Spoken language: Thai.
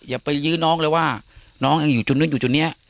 อย่าไปยื้อน้องเลยว่าน้องยังอยู่จุดนู้นอยู่จุดนี้